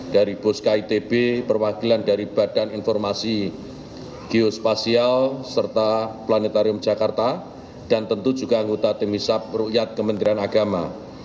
dari bosk itb perwakilan dari badan informasi geospasial serta planetarium jakarta dan tentu juga anggota temisab rakyat kementerian agama